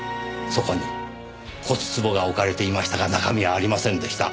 そこに骨壺が置かれていましたが中身はありませんでした。